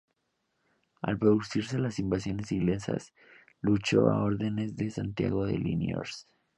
Al producirse las invasiones inglesas, luchó a órdenes de Santiago de Liniers.